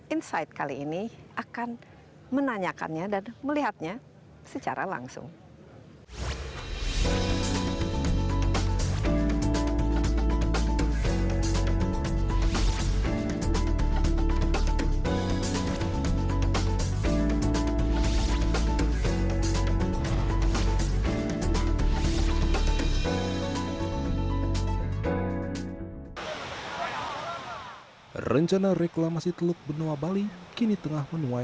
insight kali ini akan menanyakannya dan melihatnya secara langsung